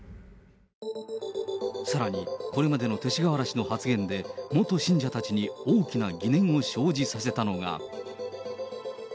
さらに、これまでの勅使河原氏の発言で、元信者たちに大きな疑念を生じさせたのが。